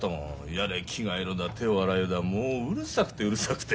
やれ着替えろだ手を洗えだもううるさくてうるさくて。